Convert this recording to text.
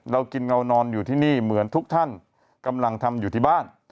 เรากินเงานอนอยู่ที่นี่เหมือนทุกท่านกำลังทำอยู่ที่บ้าน